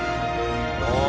ああ！